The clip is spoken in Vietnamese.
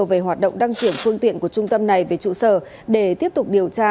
về hoạt động đăng kiểm phương tiện của trung tâm này về trụ sở để tiếp tục điều tra